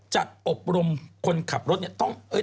อบรมคนขับรถเนี่ย